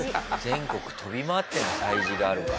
全国飛び回ってるんだ催事があるから。